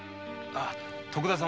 徳田様。